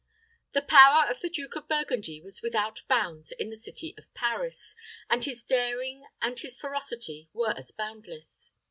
The power of the Duke of Burgundy was without bounds in the city of Paris, and his daring and his ferocity were as boundless.